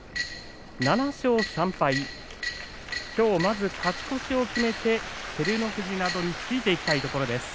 ７勝３敗、きょうまず勝ち越しを決めて照ノ富士などについていきたいところです。